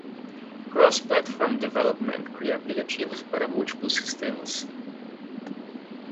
Cross-Platform Development cria aplicativos para múltiplos sistemas.